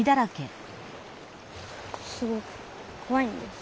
すごくこわいんです。